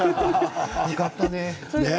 よかったね。